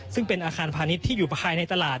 ซึ่งเป็นอาคารพาณิชย์ที่อยู่ภายในตลาด